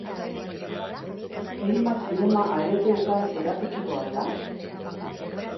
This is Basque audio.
Filma zinema aretoetan erakutsiko al da?